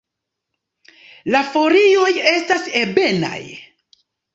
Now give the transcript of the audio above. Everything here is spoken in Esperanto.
La folioj estas ebenaj.